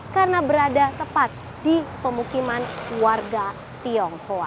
karena berada tepat di pemukiman warga tionghoa